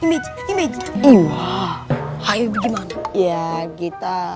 eh kamu juga ngapain disini